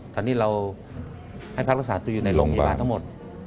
ตอนนี้เราให้พักรักษาตัวอยู่ในโรงพยาบาลทั้งหมด